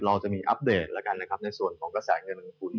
เราจะมีอัปเดตในส่วนของกระแสเงินลงทุน